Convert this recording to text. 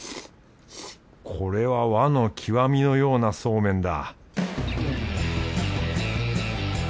これは和の極みのようなそうめんだ